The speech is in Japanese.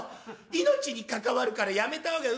命に関わるからやめた方がいい」。